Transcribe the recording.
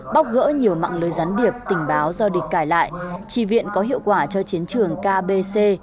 bóc gỡ nhiều mạng lưới gián điệp tình báo do địch cải lại trì viện có hiệu quả cho chiến trường kbc